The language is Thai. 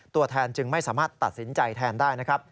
ตัวแทนจึงไม่สามารถตัดสินใจแทนได้นะครับ